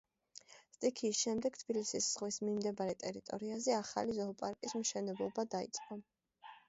სტიქიის შემდეგ თბილისის ზღვის მიმდებარე ტერიტორიაზე ახალი ზოოპარკის მშენებლობა დაიწყო.